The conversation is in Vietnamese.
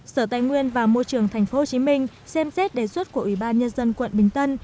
sở tài nguyên và môi trường tp hcm xem xét đề xuất của ubnd tp hcm